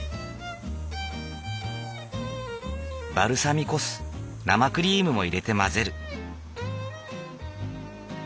バルサミコ酢生クリームも入れて混ぜる。